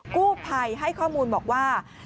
กู้ภัยให้ข้อมูลบอกว่า